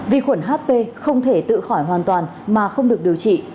vi khuẩn hp không thể tự khỏi hoàn toàn mà không được điều trị